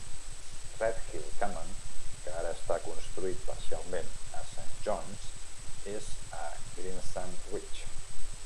Redhill Common, que ara està construït parcialment a St John's, és a Greensand Ridge.